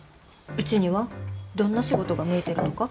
うちにはどんな仕事が向いてるのか。